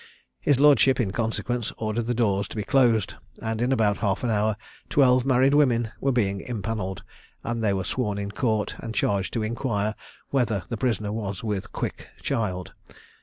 His lordship, in consequence, ordered the doors to be closed, and in about half an hour, twelve married women being impannelled, they were sworn in court, and charged to inquire "whether the prisoner was with quick child?"